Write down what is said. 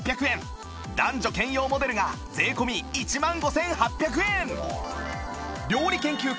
男女兼用モデルが税込１万５８００円